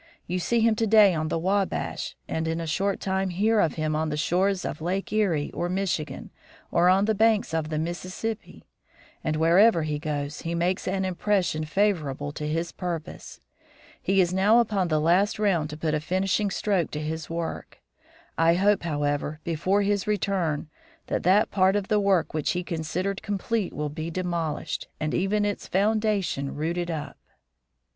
You see him to day on the Wabash, and in a short time hear of him on the shores of Lake Erie or Michigan, or on the banks of the Mississippi; and wherever he goes he makes an impression favorable to his purpose. He is now upon the last round to put a finishing stroke to his work. I hope, however, before his return that that part of the work which he considered complete will be demolished, and even its foundation rooted up."